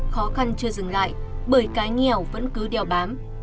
khó khăn chưa dừng lại bởi cái nghèo vẫn cứ đeo bám